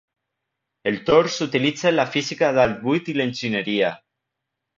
El torr s'utilitza en la física d'alt buit i l'enginyeria.